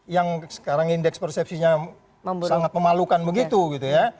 yang sekarang indeks persepsinya sangat memalukan begitu gitu ya